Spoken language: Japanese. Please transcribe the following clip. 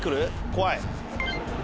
怖い。